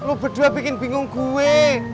lu berdua bikin bingung gue